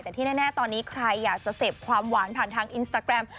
แต่ที่แน่ตอนนี้ใครอยากจะเสพความหวานผ่านทางอินสตาแกรม